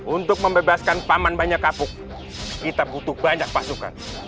untuk membebaskan paman banyak kapuk kita butuh banyak pasukan